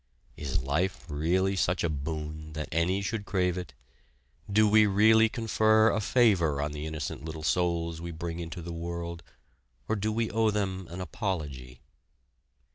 Is life really such a boon that any should crave it? Do we really confer a favor on the innocent little souls we bring into the world, or do we owe them an apology?